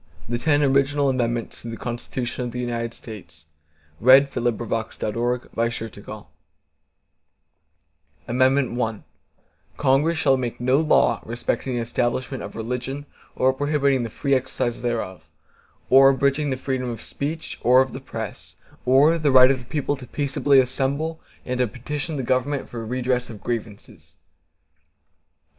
The Ten Original Amendments to the Constitution of the United States Passed by Congress September 25, 1789 Ratified December 15, 1791 I Congress shall make no law respecting an establishment of religion, or prohibiting the free exercise thereof; or abridging the freedom of speech, or of the press, or the right of the people peaceably to assemble, and to petition the Government for a redress of grievances.